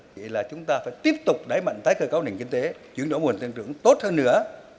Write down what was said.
vậy là chúng ta phải tiếp tục đẩy mạnh tái cơ cấu nền kinh tế chuyển đổi mô hình tăng trưởng tốt hơn nữa